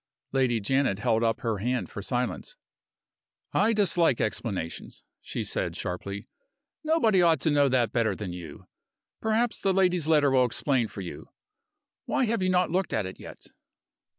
Lady Janet held up her hand for silence. "I dislike explanations," she said, sharply. "Nobody ought to know that better than you. Perhaps the lady's letter will explain for you. Why have you not looked at it yet?"